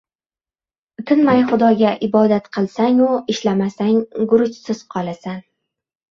• Tinmay xudoga ibodat qilsang-u, ishlamasang guruchsiz qolasan.